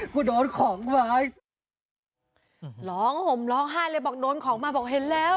โดนของไว้ร้องห่มร้องไห้เลยบอกโดนของมาบอกเห็นแล้ว